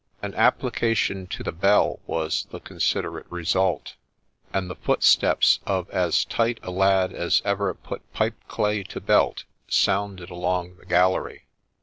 An application to the bell was the considerate result ; and the footsteps of as tight a lad as ever put pipe clay to belt sounded, along the gallery.